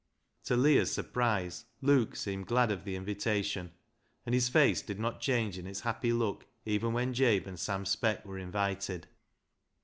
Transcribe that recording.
To Leah's surprise, Luke seemed glad of the invitation, and his face did not change in its happy look even when Jabe and Sam Speck were invited.